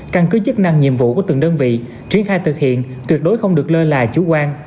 căn cứ chức năng nhiệm vụ của từng đơn vị triển khai thực hiện tuyệt đối không được lơ là chủ quan